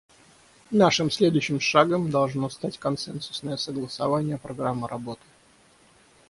Нашим следующим шагом должно стать консенсусное согласование программы работы.